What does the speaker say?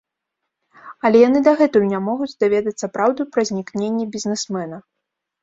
Але яны дагэтуль не могуць даведацца праўду пра знікненне бізнесмена.